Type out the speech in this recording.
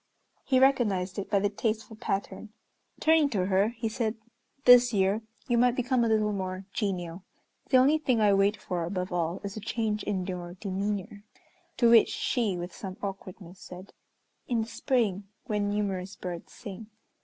He recognized it by the tasteful pattern. Turning to her he said, "This year you might become a little more genial, the only thing I wait for above all is a change in your demeanor." To which she, with some awkwardness, said, "In the spring, when numerous birds sing."